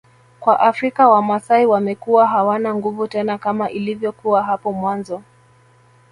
kwa Afrika wamasai wamekuwa hawana nguvu tena kama ilivyokuwa hapo mwanzo